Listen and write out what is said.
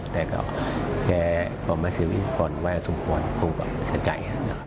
แต่แก่กรมศิษย์วิทยุควรว่าอย่างสมควรคงแบบเสียใจ